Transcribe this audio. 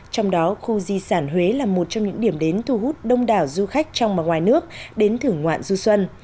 trong đó khu di sản huế là một trong những điểm đến thu hút đông đảo du khách trong và ngoài nước đến thưởng ngoạn du xuân